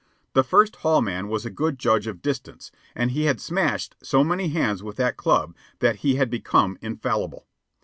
The First Hall man was a good judge of distance, and he had smashed so many hands with that club that he had become infallible.